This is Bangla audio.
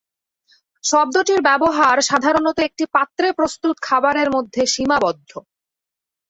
শব্দটির ব্যবহার সাধারণত একটি পাত্রে প্রস্তুত খাবারের মধ্যে সীমাবদ্ধ।